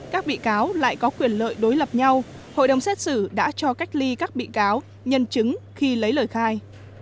các bị cáo lại có quyền lợi đối lập nhau hội đồng xét xử đã cho cách ly các bị cáo nhân chứng khi lấy lời khai